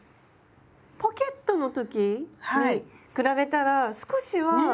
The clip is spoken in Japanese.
ポケットの時に比べたら少しは。ね！